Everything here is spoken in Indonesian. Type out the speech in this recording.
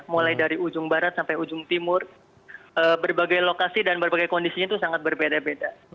mulai dari ujung barat sampai ujung timur berbagai lokasi dan berbagai kondisinya itu sangat berbeda beda